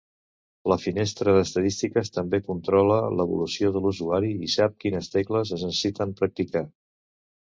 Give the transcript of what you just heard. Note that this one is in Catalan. La finestra d'estadístiques també controla l'evolució de l'usuari i sap quines tecles es necessiten practicar.